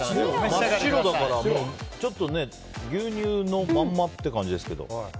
真っ白だからちょっと牛乳のまんまって感じですけど。